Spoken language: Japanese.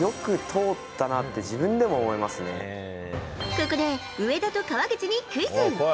ここで、上田と川口にクイズ。